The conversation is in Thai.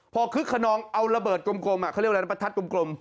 พอคึกขนองเอาระเบิดกลมเขาเรียกอะไรนะประทัดกลม